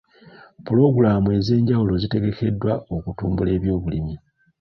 Pulogulaamu ez'enjawulo zitegekeddwa okutumbula ebyobulimi.